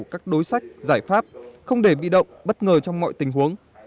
các đối sách giải pháp không để bị động bất ngờ trong mọi tình huống